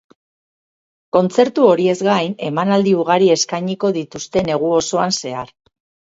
Kontzertu horiez gain, emanaldi ugari eskainiko dituzte negu osoan zehar.